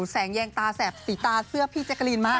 แยงตาแสบสีตาเสื้อพี่แจ๊กกะลีนมาก